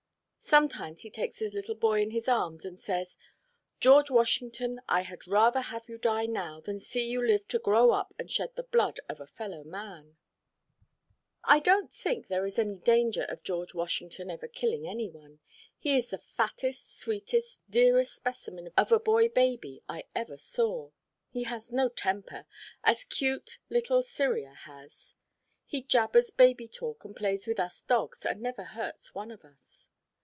Sometimes he takes his little boy in his arms, and says, "George Washington, I had rather have you die now, than see you live to grow up and shed the blood of a fellow man." I don't think there is any danger of George Washington ever killing any one. He is the fattest, sweetest, dearest specimen of a boy baby I ever saw. He has no temper, as cute little Cyria has. He jabbers baby talk, and plays with us dogs, and never hurts one of us.